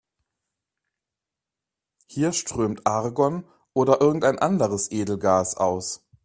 Hier strömt Argon oder irgendein anderes Edelgas aus.